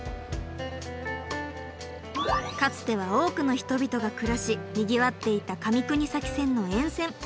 かつては多くの人々が暮らしにぎわっていた上国崎線の沿線。